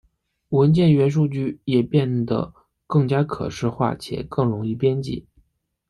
文件元数据也变得更加可视化且更容易编辑。